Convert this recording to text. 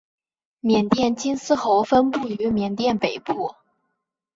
缅甸金丝猴分布于缅甸北部。